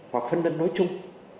hoặc phân nân nói chung